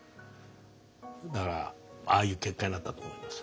だからああいう結果になったと思います。